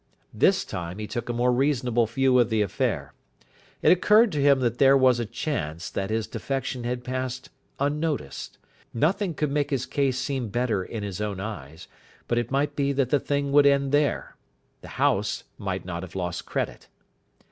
This time he took a more reasonable view of the affair. It occurred to him that there was a chance that his defection had passed unnoticed. Nothing could make his case seem better in his own eyes, but it might be that the thing would end there. The house might not have lost credit.